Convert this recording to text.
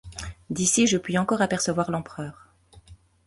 D’ici je puis encore apercevoir l’empereur.